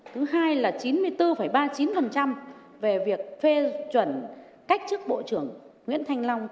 thứ hai là chín mươi bốn ba mươi chín về việc phê chuẩn cách chức bộ trưởng nguyễn thanh long